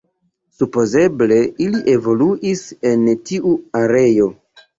Supozeble ili evoluis en tiu areo.